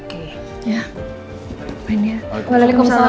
ngapain ya waalaikumsalam